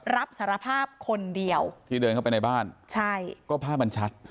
รับสารภาพคนเดียวที่เดินเข้าไปในบ้านใช่ก็ภาพมันชัด